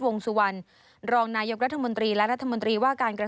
นั่นเป็นเรื่องที่ดีค่ะ